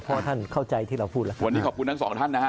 เพราะท่านเข้าใจที่เราพูดแล้วครับวันนี้ขอบคุณทั้งสองท่านนะฮะ